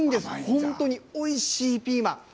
本当においしいピーマン。